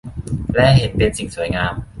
และเห็นเป็นสิ่งสวยงาม